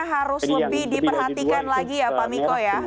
harus lebih diperhatikan lagi ya